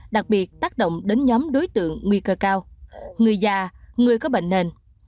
đặc biệt tác động đến nhóm đối tượng nguy cơ cao người già người có bệnh nền